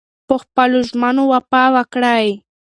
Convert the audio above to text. پخپلو ژمنو وفا وکړئ.